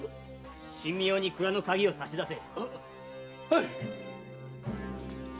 神妙に蔵の鍵を差し出せ。